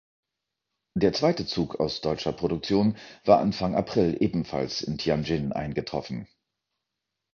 Der zweite Zug aus deutscher Produktion war Anfang April ebenfalls in Tianjin eingetroffen.